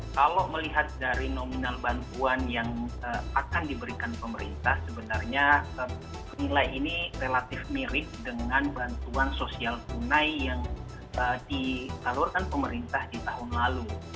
kalau melihat dari nominal bantuan yang akan diberikan pemerintah sebenarnya nilai ini relatif mirip dengan bantuan sosial tunai yang disalurkan pemerintah di tahun lalu